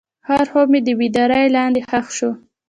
هر خوب مې د بیدارۍ لاندې ښخ شو.